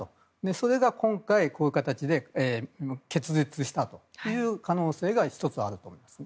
それが今回、こういう形で結実したという可能性が１つあると思います。